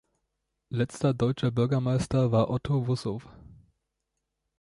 Letzter deutscher Bürgermeister war Otto Wussow.